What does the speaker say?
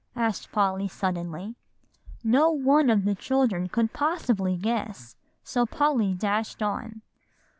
asked Polly suddenly. No one of the children could possibly guess, so Polly dashed on.